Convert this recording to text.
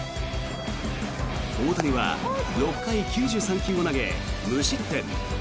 大谷は６回９３球を投げ無失点。